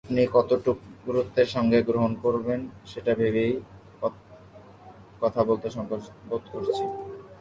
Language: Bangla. আপনি কতটুক গুরুত্বের সঙ্গে গ্রহণ করবেন, সেটা ভেবেই কথা বলতে সংকোচ বোধ করছি।